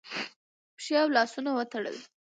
پښې او لاسونه وتړل